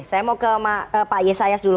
saya mau ke pak yesayas dulu